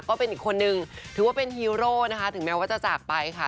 ก็เป็นอีกคนนึงถือว่าเป็นฮีโร่นะคะถึงแม้ว่าจะจากไปค่ะ